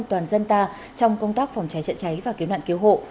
toàn dân ta trong công tác phòng cháy chữa cháy và cứu nạn cứu hộ